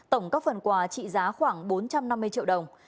tổng các phần quà trị giá khoảng bốn trăm năm mươi triệu đồng